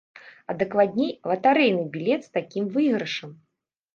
А дакладней латарэйны білет з такім выйгрышам.